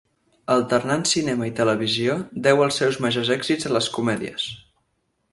Alternant cinema i televisió, deu els seus majors èxits a les comèdies.